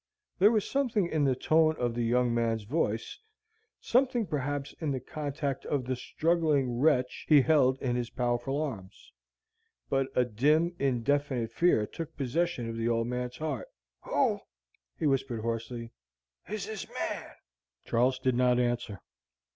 There was something in the tone of the young man's voice, something, perhaps, in the contact of the struggling wretch he held in his powerful arms; but a dim, indefinite fear took possession of the old man's heart. "Who," he whispered, hoarsely, "is this man?" Charles did not answer.